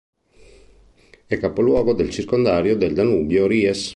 È il capoluogo del circondario del Danubio-Ries.